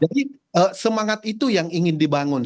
jadi semangat itu yang ingin dibangun